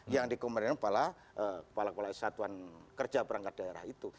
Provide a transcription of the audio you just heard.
yang dikembalikan oleh kepala kepala kesatuan kerja perangkat daerah itu